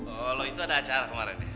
oh lo itu ada acara kemaren ya